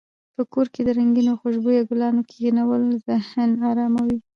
په کور کې د رنګینو او خوشبویه ګلانو کښېنول ذهن اراموي.